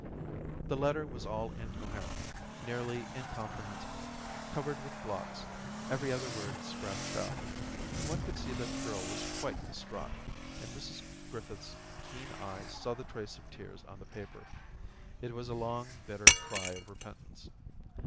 The letter was all incoherent, nearly in comprehensible, covered with blots, every other word scratched out. One could see that the girl was quite distraught, and Mrs Griffith's keen eyes saw the trace of tears on the paper. ... It was a long, bitter cry of repentance.